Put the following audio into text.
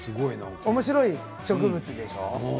おもしろい植物でしょう？